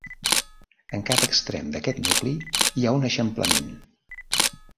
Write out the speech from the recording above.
En cada extrem d'aquest nucli hi ha un eixamplament.